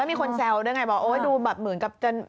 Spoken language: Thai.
แล้วมีคนแซวด้วยไงบอกดูแบบเหมือนกับจะ